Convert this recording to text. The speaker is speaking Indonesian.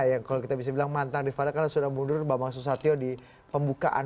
yang kalau kita bisa bilang mantan rifana karena sudah mundur bambang susatyo di pembukaan